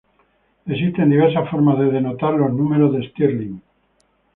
Existen diversas formas de denotar los números de Stirling.